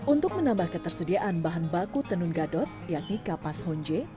untuk menambah ketersediaan bahan baku tenun gadot yakni kapas honje